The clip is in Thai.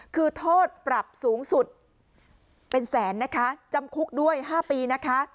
คือโทษปรับสูงสุดเป็นแสนนะคะจำคุกด้วย๕ปีนะคะ